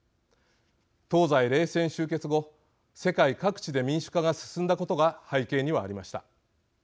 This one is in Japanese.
東西冷戦終結後世界各地で民主化が進んだことが背景にはありました。